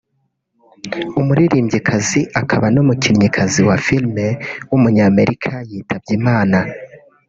umuririmbyikazi akaba n’umukinnyikazi wa filime w’umunyamerika yitabye Imana